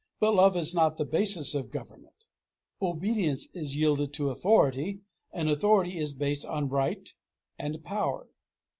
But love is not the basis of government. Obedience is yielded to authority, and authority is based on right and power.